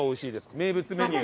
名物メニュー。